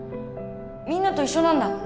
みんなと一緒なんだ。